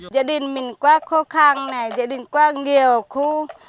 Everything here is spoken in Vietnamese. gia đình mình quá khó khăn gia đình quá nhiều khu